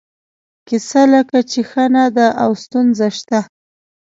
کیسه لکه چې ښه نه ده او ستونزه شته.